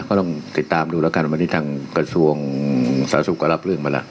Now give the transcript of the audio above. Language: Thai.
ก็ต้องติดตามดูแล้วกันวันนี้ทางกระทรวงสาธารณสุขก็รับเรื่องมาแล้ว